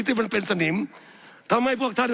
สับขาหลอกกันไปสับขาหลอกกันไป